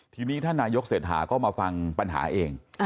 ทีนี้ท่านนายกเศรษฐาก็มาฟังปัญหาเอง